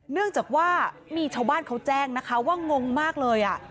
เนื่องจากว่ามีชาวบ้านเขาแจ้งนะคะว่างงมากเลย